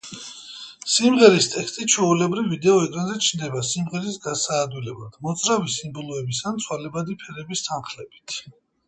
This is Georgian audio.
სიმღერის ტექსტი ჩვეულებრივ ვიდეო ეკრანზე ჩნდება სიმღერის გასაადვილებლად, მოძრავი სიმბოლოების ან ცვალებადი ფერების თანხლებით.